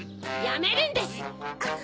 やめるんです！